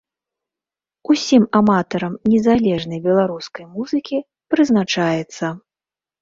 Усім аматарам незалежнай беларускай музыкі прызначаецца.